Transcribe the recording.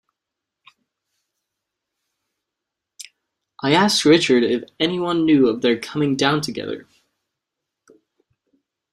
I asked Richard if any one knew of their coming down together.